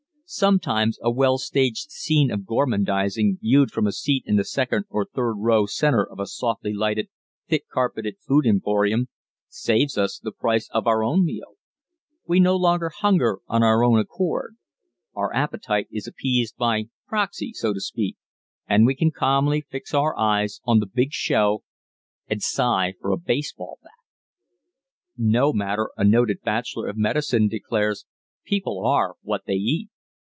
Sometimes a well staged scene of gormandizing viewed from a seat in the second or third row center of a softly lighted, thick carpeted food emporium saves us the price of our own meal. We no longer hunger on our own account. Our appetite is appeased by proxy, so to speak, and we calmly fix our eyes on the "big show" and sigh for a baseball bat. No wonder a noted bachelor of medicine declares "People are what they eat!"